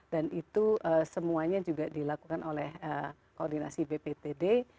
dan itu semuanya juga dilakukan oleh koordinasi bptd